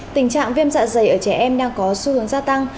tình trạng viêm dạ dày ở trẻ em đang có xu hướng gia tăng